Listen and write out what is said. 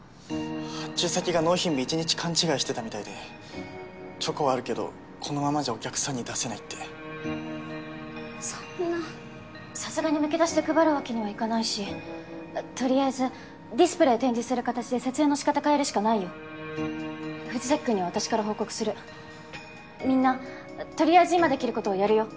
発注先が納品日一日勘違いしてたみたいでチョコはあるけどこのままじゃお客さんに出せないってそんなさすがにむき出しで配るわけにはいかないしとりあえずディスプレー展示する形で設営の仕方変えるしかないよ富士崎君には私から報告するみんなとりあえず今できることをやるよ